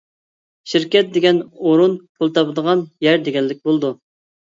شىركەت دېگەن ئورۇن پۇل تاپىدىغان يەر دېگەنلىك بولىدۇ.